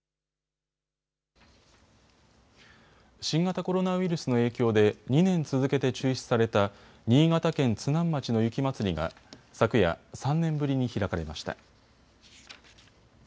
新型コロナウイルスの影響で２年続けて中止された新潟県津南町の雪まつりが昨夜、３年ぶりに開かれました。